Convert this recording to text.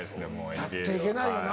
やって行けないよな。